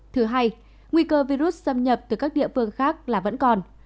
thứ hai nguy cơ virus xâm nhập từ các địa phương khác là vẫn còn